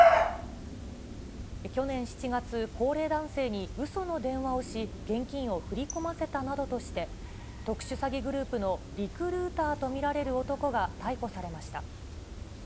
去年７月、高齢男性にうその電話をし、現金を振り込ませたなどとして、特殊詐欺グループのリクルーターと見られる男が逮捕されました。